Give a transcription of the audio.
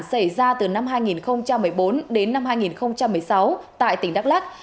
xảy ra từ năm hai nghìn một mươi bốn đến năm hai nghìn một mươi sáu tại tỉnh đắk lắc